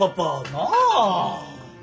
なあ！